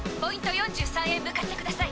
４３へ向かって下さい。